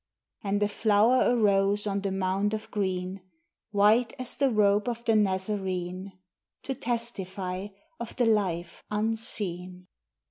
And a flower arose on the mound of green, White as the robe of the Nazarene; To testify of the life unseen.